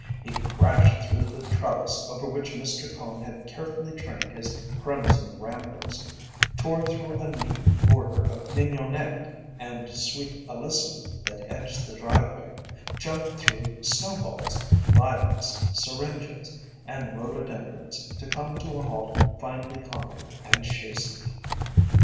He crashed through the trellis over which Mr. Cone had carefully trained his crimson ramblers, tore through a neat border of mignonette and sweet alyssum that edged the driveway, jumped through "snowballs," lilacs, syringas, and rhododendrons to come to a halt finally conquered and chastened.